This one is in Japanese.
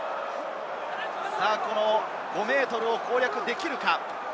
５ｍを攻略できるか？